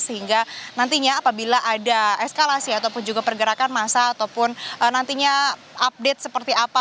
sehingga nantinya apabila ada eskalasi ataupun juga pergerakan masa ataupun nantinya update seperti apa